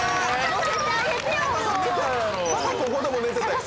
乗せてあげてよそうや！